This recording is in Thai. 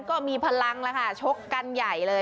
ก็มีพลังแล้วค่ะชกกันใหญ่เลย